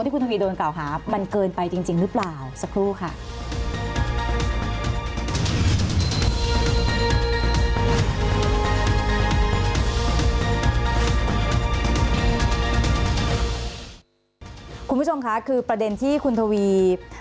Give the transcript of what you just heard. คุณผู้ชมคะคือประเด็นที่คุณทวี